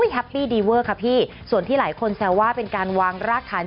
ถ้าสมมุติว่ามีซีรีสมาแล้วเราสามารถถ่ายได้